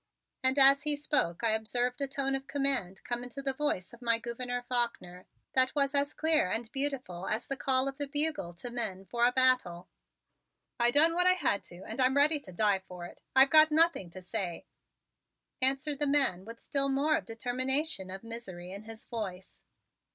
And as he spoke I observed a tone of command come into the voice of my Gouverneur Faulkner, that was as clear and beautiful as the call of the bugle to men for a battle. "I done what I had to and I'm ready to die for it. I've got nothing to say," answered the man with still more of the determination of misery in his voice.